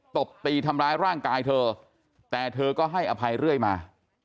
ตบตีทำร้ายร่างกายเธอแต่เธอก็ให้อภัยเรื่อยมา